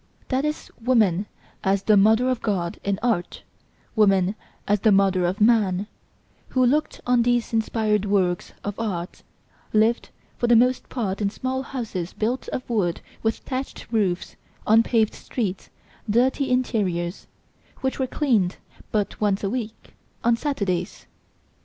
[Illustration: Mrs. Vernon Castle in Ball Costume] That is woman as the Mother of God in art Woman as the mother of man, who looked on these inspired works of art, lived for the most part in small houses built of wood with thatched roofs, unpaved streets, dirty interiors, which were cleaned but once a week on Saturdays!